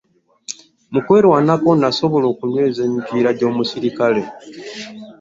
Mu kwerwanako, nasobola okunyweza emipiira gy'omuserikale.